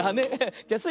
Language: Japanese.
じゃスイ